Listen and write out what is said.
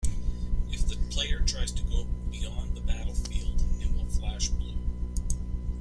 If the player tries to go beyond the battlefield, it will flash blue.